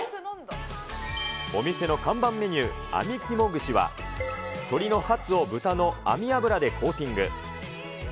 お店の看板メニュー、あみ肝串は、鶏のハツを豚の網油でコーティング。